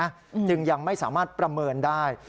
จึงยังไม่สามารถประเมินได้